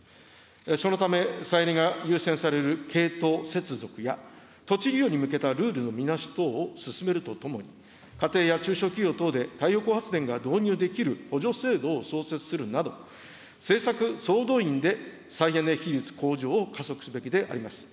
そのため、再エネが優先される系統接続や土地利用に向けたルールの見直し等を進めるとともに、家庭や中小企業等で太陽光発電が導入できる補助制度を創設するなど、政策総動員で再エネ比率向上を加速すべきであります。